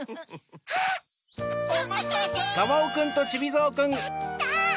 きた！